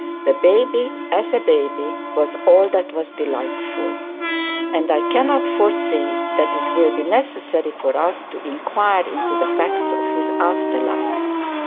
The baby, as a baby, was all that was delightful, and I cannot foresee that it will be necessary for us to inquire into the facts of his after life.